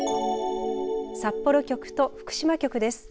札幌局と福島局です。